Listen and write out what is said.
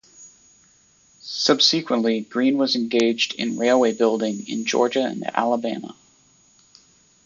Subsequently, Green was engaged in railway building in Georgia and Alabama.